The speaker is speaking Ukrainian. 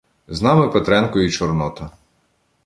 З нами Петренко і Чорнота.